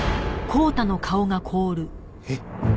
えっ？